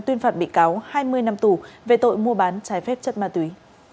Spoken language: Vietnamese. tuyên phạt bị cáo hai mươi năm tù về tội mua bán trái phép chất ma túy